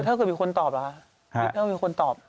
ถ้าเกิดมีคนตอบล่ะถ้าเกิดมีคนตอบ